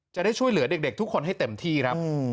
จะได้ช่วยเหลือเด็กทุกคนให้เต็มที่ครับ